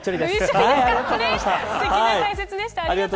すてきな解説でした。